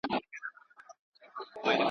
نو یې ووېشل ډوډۍ پر قسمتونو.